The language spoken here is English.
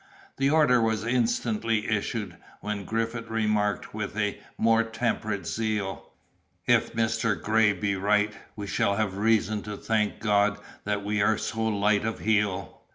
The order was instantly issued, when Griffith remarked, with a more temperate zeal— "If Mr. Gray be right, we shall have reason to thank God that we are so light of heel!"